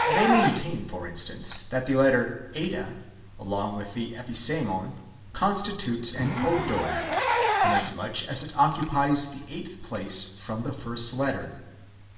They maintain, for instance, that the letter Eta (rj) along with the Episemon (g ) constitutes an Ogdoad, inasmuch as it occupies the eighth place from the first letter.